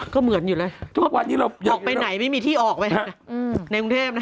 ก็เหมือนอยู่เลยออกไปไหนไม่มีที่ออกไปในกรุงเทพฯนะ